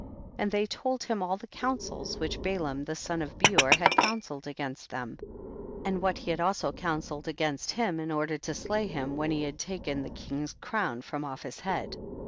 And they told him all the counsels which Balaam the son of Beor had counselled against them, and what he had also counselled against him in order to slay him when he had taken the king's crown from off his head, 38.